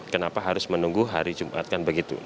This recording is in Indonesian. kenapa harus menunggu hari jumat kan begitu